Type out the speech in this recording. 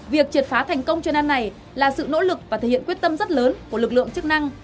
việc triệt phá thành công chuyên án này là sự nỗ lực và thể hiện quyết tâm rất lớn của lực lượng chức năng